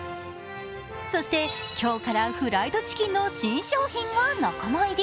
そして、今日からフライドチキンの新商品が仲間入り。